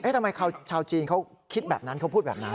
ทำไมชาวจีนเขาคิดแบบนั้นเขาพูดแบบนั้น